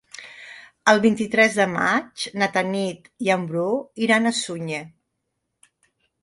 El vint-i-tres de maig na Tanit i en Bru iran a Sunyer.